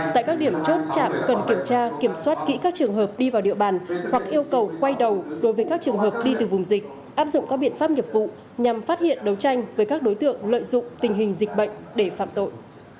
tại các điểm chốt trạm cần kiểm tra kiểm soát kỹ các trường hợp đi vào địa bàn hoặc yêu cầu quay đầu đối với các trường hợp đi từ vùng dịch áp dụng các biện pháp nghiệp vụ nhằm phát hiện đấu tranh với các đối tượng lợi dụng tình hình dịch bệnh để phạm tội